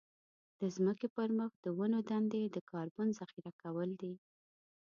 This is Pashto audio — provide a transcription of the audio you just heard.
د ځمکې پر مخ د ونو دندې د کاربن ذخيره کول دي.